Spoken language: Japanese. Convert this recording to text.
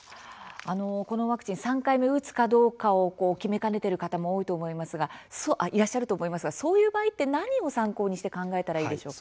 このワクチン３回目打つかどうかを決めかねている方もいらっしゃると思いますがそういう場合は何を参考にして考えればいいんでしょうか。